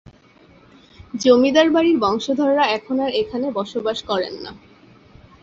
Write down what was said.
জমিদার বাড়ির বংশধররা এখন আর এখানে বসবাস করেন না।